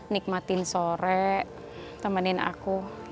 nikmatin sore temenin aku